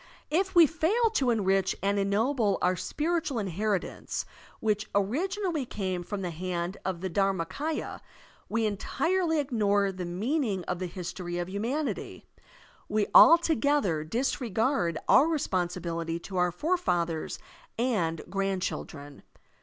If we fail to enrich and ennoble our spiritual inheritance which originally came from the hand of the DharmakS, ya, we entirely ignore the meaning of the history of htmianity, we altogether disregard our responsibility to our forefathers and grand children.